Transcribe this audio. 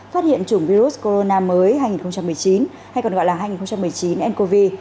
phát hiện chủng virus corona mới hai nghìn một mươi chín hay còn gọi là hai nghìn một mươi chín ncov